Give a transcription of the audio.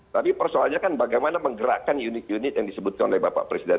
tapi persoalannya kan bagaimana menggerakkan unit unit yang disebutkan oleh bapak presiden